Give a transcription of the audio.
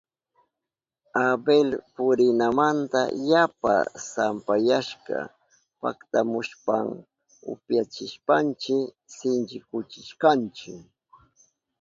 Abel purinamanta yapa sampayashka paktamushpan upyachishpanchi sinchikuchishkanchi.